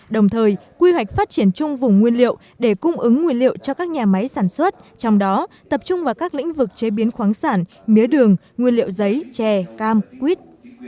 đồng thời quy hoạch phát triển chung vùng nguyên liệu để cung ứng nguyên liệu cho các nhà máy sản xuất trong đó tập trung vào các lĩnh vực chế biến khoáng sản mía đường nguyên liệu giấy chè cam quýt